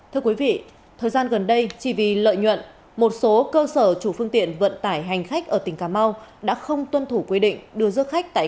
thưa quý vị thời gian gần đây chỉ vì lợi nhuận một số cơ sở chủ phương tiện vận tải hành khách ở tỉnh cà mau đã không tuân thủ quy định đưa dước khách tại